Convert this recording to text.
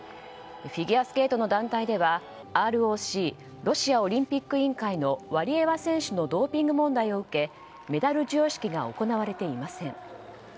フィギュアスケートの団体ではＲＯＣ・ロシアオリンピック委員会のワリエワ選手のドーピング問題を受けメダル授与式が行われていません。